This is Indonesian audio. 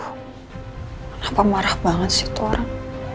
kenapa marah banget sih itu orang